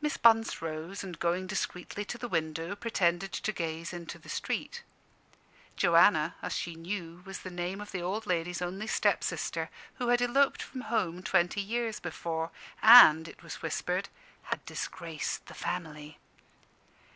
Miss Bunce rose, and going discreetly to the window, pretended to gaze into the street. Joanna, as she knew, was the name of the old ladies' only step sister, who had eloped from home twenty years before, and (it was whispered) had disgraced the family.